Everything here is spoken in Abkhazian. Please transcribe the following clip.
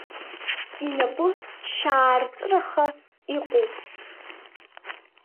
Инапы шьаарҵәыраха иҟоуп.